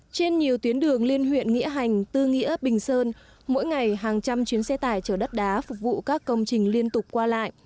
trên nhiều tuyến đường liên huyện nghĩa hành tư nghĩa bình sơn mỗi ngày hàng trăm chuyến xe tải chở đất đá phục vụ các công trình liên tục qua lại